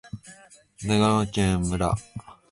長野県泰阜村